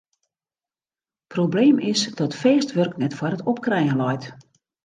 Probleem is dat fêst wurk net foar it opkrijen leit.